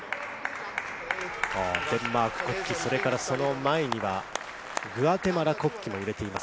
デンマーク国旗、そしてその前には、グアテマラ国旗が揺れています。